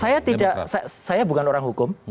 saya tidak saya bukan orang hukum